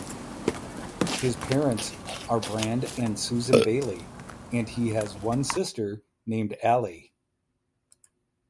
His parents are Brand and Susan Bailey and he has one sister named Aly.